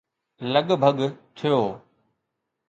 لڳ ڀڳ ٿيو